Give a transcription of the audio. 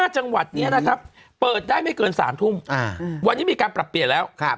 จังหวัดนี้นะครับเปิดได้ไม่เกิน๓ทุ่มวันนี้มีการปรับเปลี่ยนแล้ว